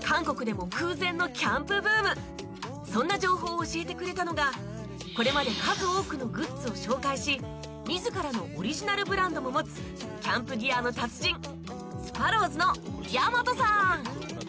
実は今そんな情報を教えてくれたのがこれまで数多くのグッズを紹介し自らのオリジナルブランドも持つキャンプギアの達人スパローズの大和さん